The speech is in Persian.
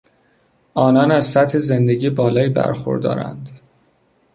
آنان از سطح زندگی بالایی برخوردارند.